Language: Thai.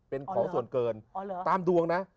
เป็นของส่วนเกินตามดวงนะ